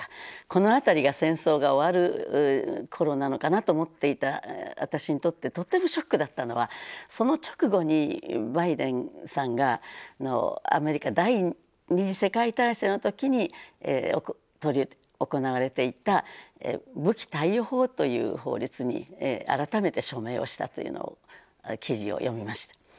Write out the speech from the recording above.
この辺りが戦争が終わる頃なのかなと思っていた私にとってとてもショックだったのはその直後にバイデンさんがアメリカ第２次世界大戦の時に執り行われていた武器貸与法という法律に改めて署名をしたというのを記事を読みました。